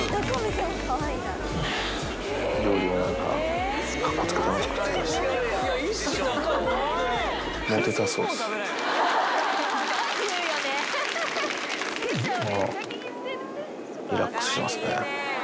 ほら、リラックスしてますね。